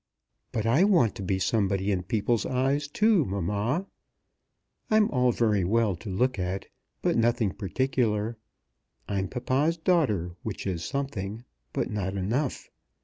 But I want to be somebody in people's eyes, too, mamma. I'm all very well to look at, but nothing particular. I'm papa's daughter, which is something, but not enough.